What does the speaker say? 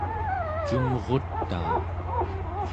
cumrutaa